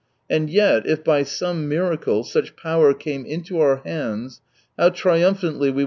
And yet, if by some miracle such power came into our hands, how triumphantly we.